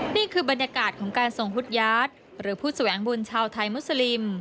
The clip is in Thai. นี่คือบรรยากาศของการทรงฮุตยาทหรือผู้แสวงบุญชาวไทยมุสลิม